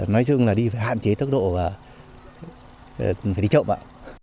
nói chung là đi phải hạn chế tốc độ và phải đi chậm ạ